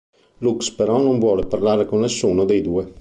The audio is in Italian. Lux però non vuole parlare con nessuno dei due.